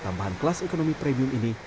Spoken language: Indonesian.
tambahan kelas ekonomi premium ini